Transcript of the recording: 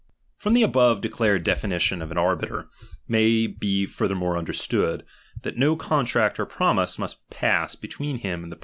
From the above declared definition of an ar Tiie nii biter may be furthermore understood, that no con oi™no tract or promise must pass between him and ihe'\^^^?